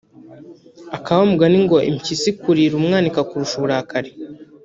aka wa mugani ngo Impyisi ikurira umwana ikakurusha uburakari